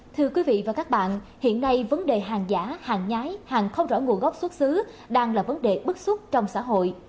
thưa quý vị và các bạn hiện nay vấn đề hàng giả hàng nhái hàng không rõ nguồn gốc xuất xứ đang là vấn đề bức xúc trong xã hội